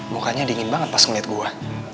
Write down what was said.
mukanya dingin banget pas ngeliat gue